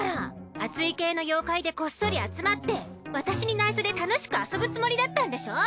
熱い系の妖怪でこっそり集まって私に内緒で楽しく遊ぶつもりだったんでしょ。